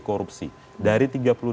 korupsi dari tiga puluh delapan